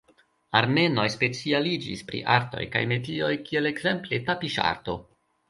Armenoj specialiĝis pri artoj kaj metioj kiel ekzemple tapiŝarto.